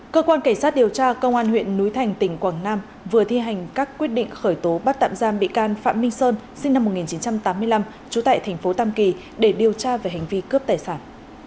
cơ quan cảnh sát điều tra công an huyện núi thành tỉnh quảng nam vừa thi hành các quyết định khởi tố bắt tạm giam bị can phạm minh sơn sinh năm một nghìn chín trăm tám mươi năm trú tại thành phố tam kỳ để điều tra về hành vi cướp tài sản